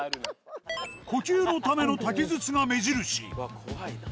呼吸のための竹筒が目印怖いな。